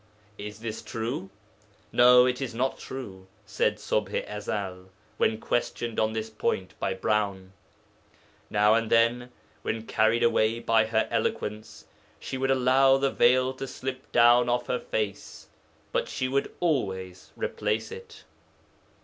Is this true? No, it is not true, said Ṣubḥ i Ezel, when questioned on this point by Browne. Now and then, when carried away by her eloquence, she would allow the veil to slip down off her face, but she would always replace it.